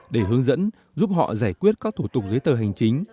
để hướng dẫn giúp họ giải quyết các thủ tục giấy tờ hành chính